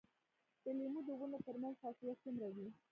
د لیمو د ونو ترمنځ فاصله څومره وي؟